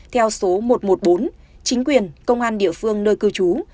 theo số một trăm một mươi bốn chính quyền công an địa phương nơi cư trú